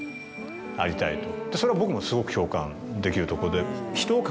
それは僕もすごく共感できるとこで。